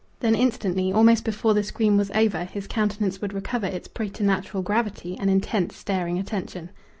Then instantly, almost before the scream was over, his countenance would recover its preternatural gravity and intense staring attention.